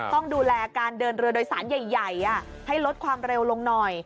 ต้องดูแลการเดินเรือโดยสารใหญ่ให้ลดความเร็วลงหน่อย